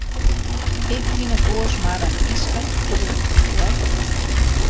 Ik fyn it oars mar in yslik gelûd, hear.